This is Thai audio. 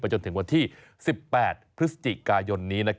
จนถึงวันที่๑๘พฤศจิกายนนี้